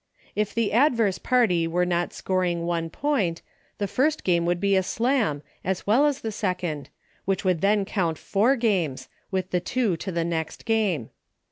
If the adverse party were not scoring one point, the first game would be a Slam, as well as the second, which would then count four games, with the two to the next game.